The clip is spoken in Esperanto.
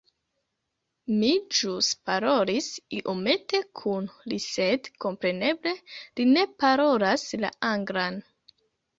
Mi ĵus parolis iomete kun li sed kompreneble li ne parolas la anglan